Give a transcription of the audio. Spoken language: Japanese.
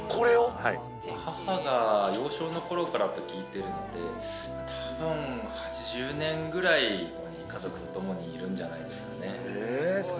母が幼少の頃からって聞いてるので、多分８０年ぐらい家族とともにいるんじゃないですかね。